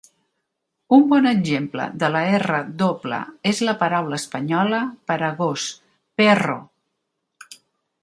Un bon exemple de la R doble és la paraula espanyola per a gos, "perro".